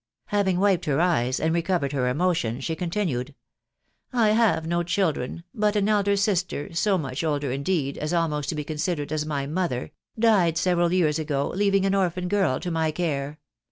Having wiped her eyes, and recovered her emotion, she continued: " I have no chil dren ;... but an elder sister .... so much older, indeed, as almost to be considered as my mother, .... died several years ago, leaving an orphan girl to my care.